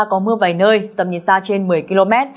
có mưa vài nơi tầm nhìn xa trên một mươi km